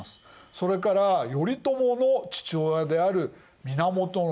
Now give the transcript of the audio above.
それから頼朝の父親である源義朝